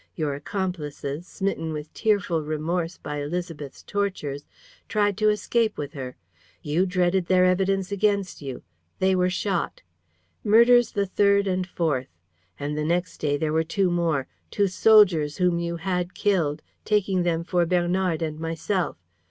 Your accomplices, smitten with tearful remorse by Élisabeth's tortures, tried to escape with her. You dreaded their evidence against you: they were shot. Murders the third and fourth. And the next day there were two more, two soldiers whom you had killed, taking them for Bernard and myself.